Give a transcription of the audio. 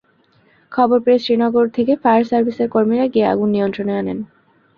খবর পেয়ে শ্রীনগর থেকে ফায়ার সার্ভিসের কর্মীরা গিয়ে আগুন নিয়ন্ত্রণে আনেন।